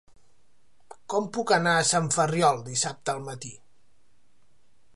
Com puc anar a Sant Ferriol dissabte al matí?